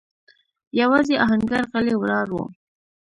يواځې آهنګر غلی ولاړ و.